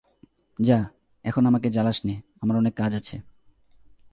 যা, এখন আমাকে জ্বালাস নে– আমার অনেক কাজ আছে।